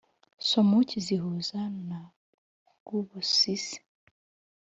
Somuki zihuza na Rwubusisi